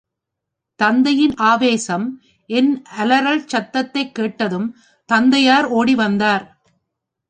தந்தையின் ஆவேசம் என் அலறல் சத்தத்தைக் கேட்டதும் தந்தையார் ஓடி வந்தார்.